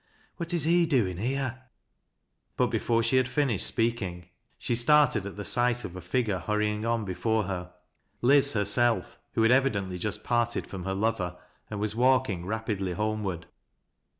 " What is he doin' here ?" But before she had finished speaking, she started at the sight of a figure hurrying on before her, — Liz herself, who had evidently just pai tedfi om her lover, and was walking rapidly homeward.